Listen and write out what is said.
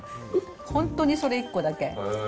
本当にそれ１個だけ。